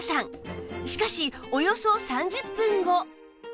しかしおよそ３０分後